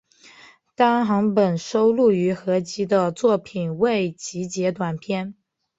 单行本收录于合集的作品未集结短篇